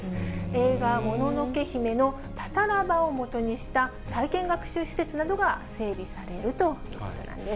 映画、もののけ姫のタタラ場をもとにした体験学習施設などが整備されるということなんです。